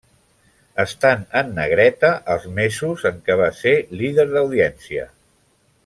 Estan en negreta els mesos en què va ser líder d'audiència.